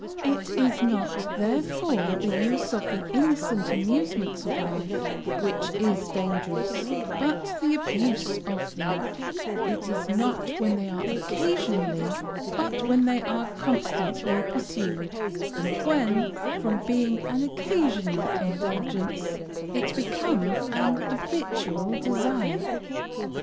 It is not, therefore, the use of the innocent amusements of life which is dangerous, but the abuse of them; it is not when they are occasionally, but when they are constantly pursued; and when, from being an occasional indulgence, it becomes an habitual desire.